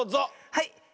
はい。